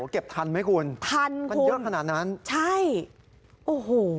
เก็บทันไหมคุณมันเยอะขนาดนั้นทันคุณใช่โอ้โห